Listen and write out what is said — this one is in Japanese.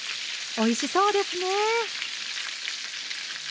おいしそうですね！